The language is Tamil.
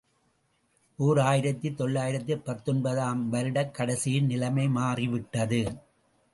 ஓர் ஆயிரத்து தொள்ளாயிரத்து பத்தொன்பது ஆம் வருடக் கடைசியில் நிலைமை மாறிவிட்டது.